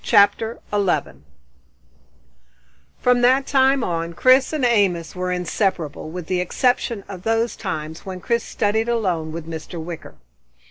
CHAPTER 11 From that time on Chris and Amos were inseparable, with the exception of those times when Chris studied alone with Mr. Wicker.